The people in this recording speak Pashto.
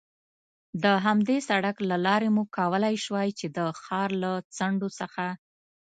د همدې سړک له لارې مو کولای شوای، چې د ښار له څنډو څخه.